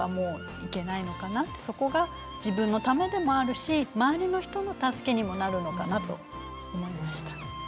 そこが自分のためでもあるし周りの人の助けにもなるのかなと思いました。